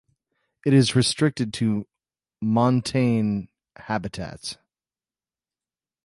It is restricted to montane habitats.